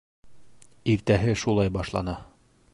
Иртәһе шулай башлана.